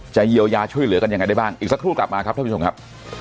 เยียวยาช่วยเหลือกันยังไงได้บ้างอีกสักครู่กลับมาครับท่านผู้ชมครับ